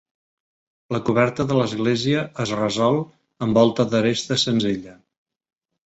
La coberta de l'església es resol amb volta d'aresta senzilla.